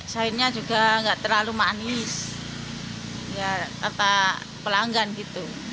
sayurnya juga nggak terlalu manis ya tata pelanggan gitu